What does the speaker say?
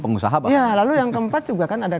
pengusaha lalu yang keempat juga kan ada